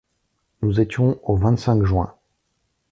Nous étions au vingt-cinq juin.